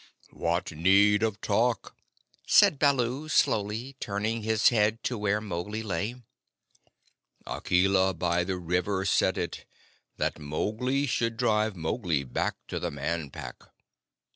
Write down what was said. "What need of talk?" said Baloo slowly, turning his head to where Mowgli lay. "Akela by the river said it, that Mowgli should drive Mowgli back to the Man Pack.